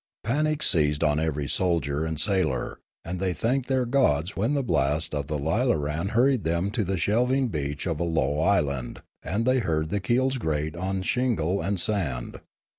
Panic seized on every soldier and sailor, and they thanked their gods when the blast of the lilaran hurried them to the shelving beach of a low island and they heard the keels grate on shingle and sand.